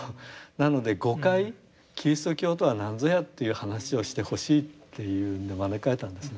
なので５回キリスト教とは何ぞやという話をしてほしいというので招かれたんです。